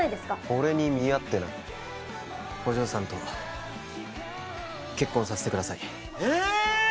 俺に見合ってないお嬢さんと結婚させてくださいえ！？